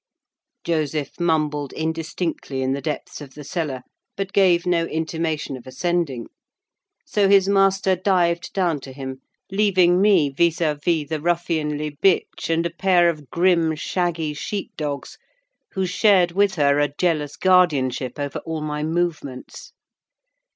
Joseph mumbled indistinctly in the depths of the cellar, but gave no intimation of ascending; so his master dived down to him, leaving me vis à vis the ruffianly bitch and a pair of grim shaggy sheep dogs, who shared with her a jealous guardianship over all my movements.